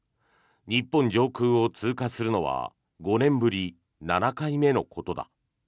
日本上空を通過するのは５年ぶり７回目のことだ。